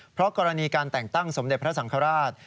เพราะกรณีการแต่งตั้งสมเด็จพระสังฆราช